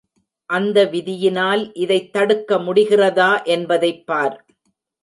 அந்த விதியினால் இதைத் தடுக்க முடிகிறதா என்பதைப்பார்.